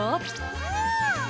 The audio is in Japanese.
うん！